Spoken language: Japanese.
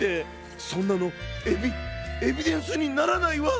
そんなのエビエビデンスにならないわ！